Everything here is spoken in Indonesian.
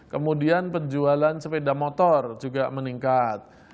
kemudian penjualan sepeda motor juga meningkat